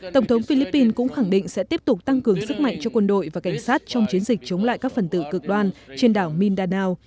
tổng thống philippines cũng khẳng định sẽ tiếp tục tăng cường sức mạnh cho quân đội và cảnh sát trong chiến dịch chống lại các phần tử cực đoan trên đảo mindanao